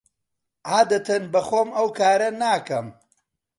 عادەتەن بەخۆم ئەو کارە ناکەم.